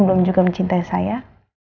belum juga mencintai saya